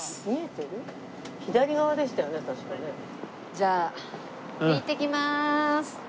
じゃあいってきます！